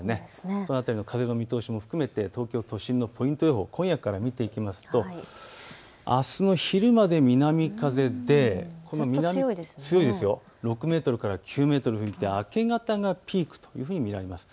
このあとの風の見通しも含めて東京都心のポイント予報を今夜から見ていきますとあすの昼まで南風で６メートルから９メートル吹いて、明け方がピークというふうに見られます。